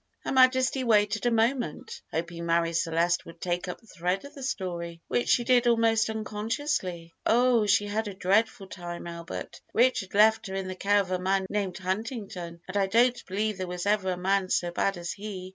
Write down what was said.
Her Majesty waited a moment, hoping Marie Celeste would take up the thread of the story, which she did almost unconsciously. "Oh, she had a dreadful time, Albert. Richard left her in the care of a man named Huntington, and I don't believe there ever was a man so bad as he.